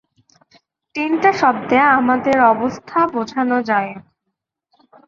তিনটা শব্দে আমাদের অবস্থা বোঝানো যায় এখন।